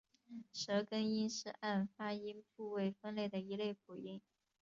舌根音是按发音部位分类的一类辅音。